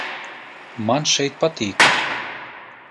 Man šeit patīk!